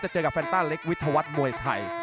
เจอกับแฟนต้าเล็กวิทยาวัฒน์มวยไทย